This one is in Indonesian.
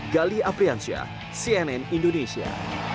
gali afriansyah cnn indonesia